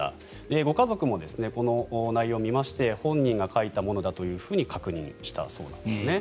ご家族もこの内容を見まして本人が書いたものだと確認したそうなんですね。